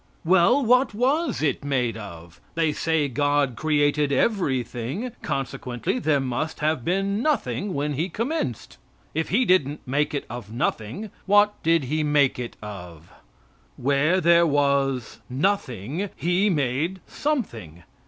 Well, what was it made of? They say God created everything. Consequently, there must have been nothing when He commenced. If he didn't make it of nothing, what did he make it of? Where there was, nothing, He made something.